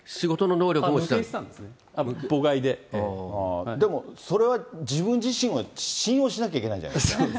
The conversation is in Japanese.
無形資産ですね、でも、それは自分自身を信用しなきゃいけないんじゃないんですか。